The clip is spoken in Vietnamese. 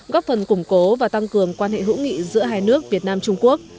góp phần củng cố và tăng cường quan hệ hữu nghị giữa hai nước việt nam trung quốc